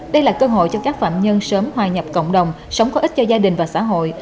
đây là cơ hội cho các phạm nhân sớm hòa nhập cộng đồng sống có ích cho gia đình và xã hội